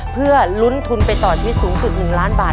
เพื่อลุ้นทุนไปต่อชีวิตสูงสุด๑ล้านบาท